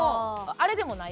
あれでもない。